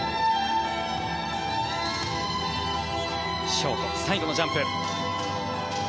ショート最後のジャンプ。